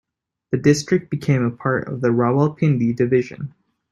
The district became a part of Rawalpindi Division.